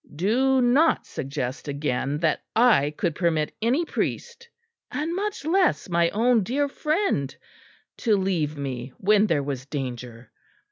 Do not suggest again that I could permit any priest and much less my own dear friend to leave me when there was danger.